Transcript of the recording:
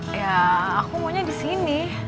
ya aku maunya disini